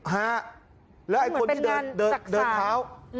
ฮะแล้วคนเดินเท้าเหมือนเป็นงานศักดิ์ศาล